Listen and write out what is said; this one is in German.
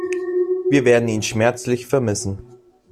Wir werden ihn schmerzlich vermissen.